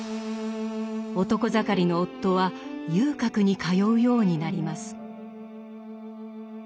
男盛りの夫は遊郭に通うようになります。